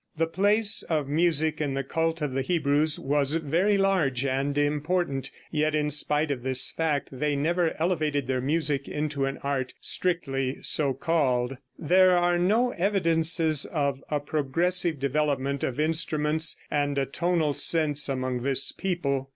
The place of music in the cult of the Hebrews was very large and important, yet in spite of this fact they never elevated their music into an art, strictly so called. There are no evidences of a progressive development of instruments and a tonal sense among this people.